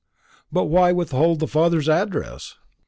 "But why withhold the father's address?"